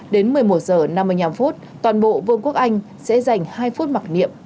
đến một mươi một h năm mươi năm phút toàn bộ vương quốc anh sẽ dành hai phút mặc niệm